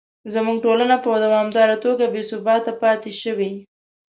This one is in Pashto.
زموږ ټولنه په دوامداره توګه بې ثباته پاتې شوې.